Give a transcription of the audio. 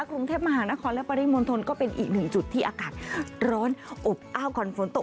กรุงเทพมหานครและปริมณฑลก็เป็นอีกหนึ่งจุดที่อากาศร้อนอบอ้าวก่อนฝนตก